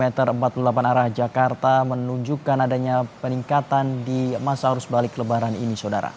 pihak kepolisian menuju jakarta menunjukkan adanya peningkatan di masa arus balik lebaran ini